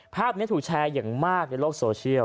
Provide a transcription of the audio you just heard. ภาพนี้ถูกแชร์อย่างมากในโลกโซเชียล